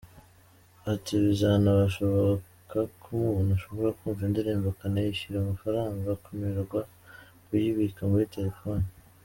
Ati “Bizanashoboka ko umuntu ashobora kumva indirimbo akanayishyura amafaranga akemererwa kuyibika muri telefone.